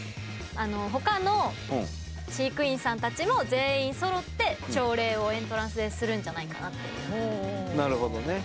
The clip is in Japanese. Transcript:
あの他の飼育員さんたちも全員揃って朝礼をエントランスでするんじゃないかなっていうなるほどね